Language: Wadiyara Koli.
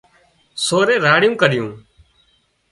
سورئي راڙيون ڪريون